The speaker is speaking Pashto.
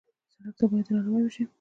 سړک ته باید درناوی وشي.